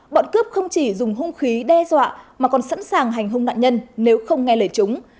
bọn cướp không chỉ dùng hung khí đe dọa mà còn sẵn sàng hành hung nạn nhân nếu không nghe lời chúng